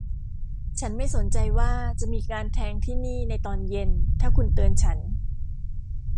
ฉันไม่สนใจว่าจะมีการแทงที่นี่ในตอนเย็นถ้าคุณเตือนฉัน